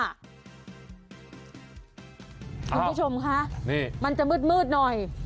คุณผู้ชมคะนี่มันจะมืดหน่อย